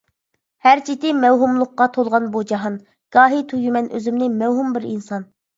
ھەر چېتى مەۋھۇملۇققا تولغان بۇ جاھان، گاھى تۇيىمەن ئۆزۈمنى مەۋھۇم بىر ئىنسان.